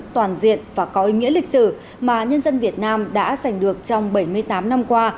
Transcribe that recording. toàn diện và có ý nghĩa lịch sử mà nhân dân việt nam đã giành được trong bảy mươi tám năm qua